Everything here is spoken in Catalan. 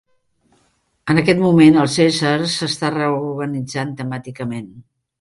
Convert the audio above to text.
En aquest moment, el Caesar s'està reorganitzant temàticament.